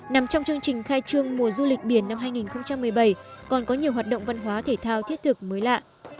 nằm trong chương trình khai trương mùa du lịch biển năm hai nghìn một mươi bảy còn có nhiều hoạt động văn hóa thể thao thiết thực mới lạ